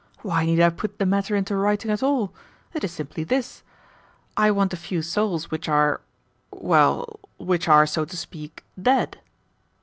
Why need I put the matter into writing at all? It is simply this. I want a few souls which are well, which are, so to speak, dead."